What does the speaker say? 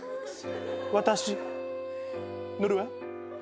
私乗るわ。